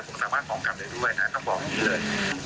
ผมสามารถงองกลับเลยเลยคุณต้องบอกนี้เลย